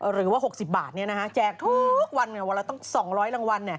หรือว่า๖๐บาทนี่นะคะแจกทุกวันเวลาต้อง๒๐๐รางวัล